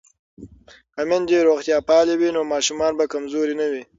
که میندې روغتیا پالې وي نو ماشومان به کمزوري نه وي.